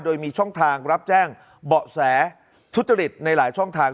โดยมีช่องทางรับแจ้งเบาะแสทุจริตในหลายช่องทาง